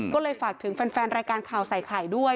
ก็เลยฝากถึงแฟนรายการข่าวใส่ไข่ด้วย